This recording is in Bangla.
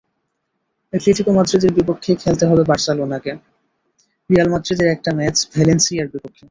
অ্যাটলেটিকো মাদ্রিদের বিপক্ষে খেলতে হবে বার্সেলোনাকে, রিয়াল মাদ্রিদের একটা ম্যাচ ভ্যালেন্সিয়ার বিপক্ষে।